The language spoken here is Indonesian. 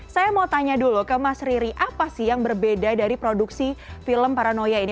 saya mau tanya dulu ke mas riri apa sih yang berbeda dari produksi film paranoia ini